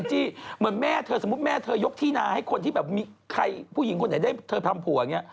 สมมติแม่เธอยกที่นะให้ผู้หญิงกลางใจให้ทำผัว